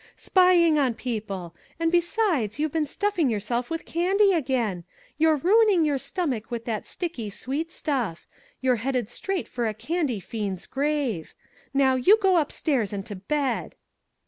"Spying on people! And, besides, you've been stuffing yourself with candy again! You're ruining your stomach with that sticky sweet stuff you're headed straight for a candy fiend's grave. Now, you go upstairs and to bed!"